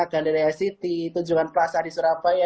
gandaria city tunjungan plaza di surabaya